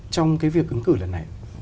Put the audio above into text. trong cái việc ứng cử lần này